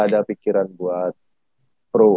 jadi gak ada pikiran buat pro gitu lah